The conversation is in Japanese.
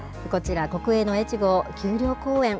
こちら、国営の越後丘陵公園。